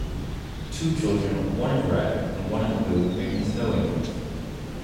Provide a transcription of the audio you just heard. Two children one in red and one in blue making snow angels